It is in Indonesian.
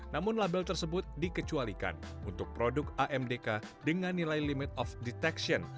namun label tersebut dikecualikan untuk produk amdk dengan nilai limit of detection